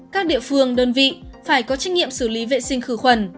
các địa phương đơn vị phải có trách nhiệm xử lý vệ sinh khử khuẩn